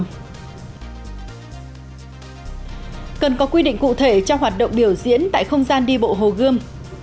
hải phòng có quy định cụ thể cho hoạt động biểu diễn tại không gian đi bộ hồ gươm